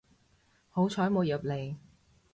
好彩冇入嚟